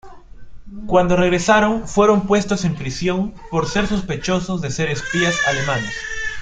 Cuando regresaron fueron puestos en prisión por ser sospechosos de ser espías alemanes.